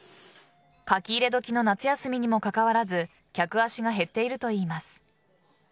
書き入れ時の夏休みにもかかわらず客足が減っているといいます。